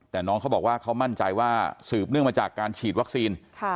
แต่น้องเขาบอกว่าเขามั่นใจว่าสืบเนื่องมาจากการฉีดวัคซีน